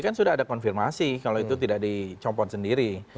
kan sudah ada konfirmasi kalau itu tidak dicopot sendiri